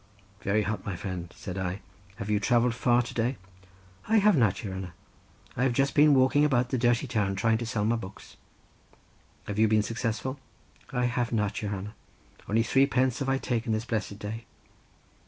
"Very hot, my friend," said I; "have you travelled far to day?" "I have not, your hanner; I have been just walking about the dirty town trying to sell my books." "Have you been successful?" "I have not, your hanner; only three pence have I taken this blessed day."